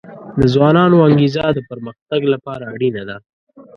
د ځوانانو انګیزه د پرمختګ لپاره اړینه ده.